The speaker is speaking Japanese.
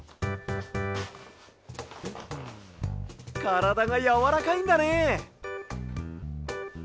からだがやわらかいんだね。